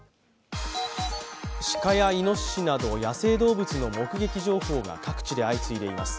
鹿やいのししなど野生動物の目撃情報が各地で相次いでいます。